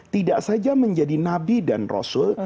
tidak saja menjadi nabi dan rasul